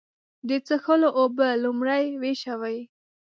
د څښلو اوبه لومړی وېشوئ.